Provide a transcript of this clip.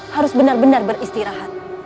harus benar benar beristirahat